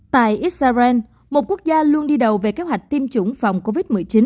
tại israel một quốc gia luôn đi đầu về kế hoạch tiêm chủng phòng covid một mươi chín